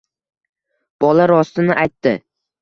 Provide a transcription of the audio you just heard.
Bola rostini aytdi…